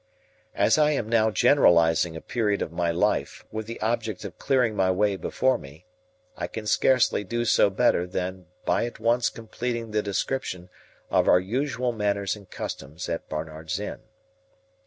As I am now generalising a period of my life with the object of clearing my way before me, I can scarcely do so better than by at once completing the description of our usual manners and customs at Barnard's Inn.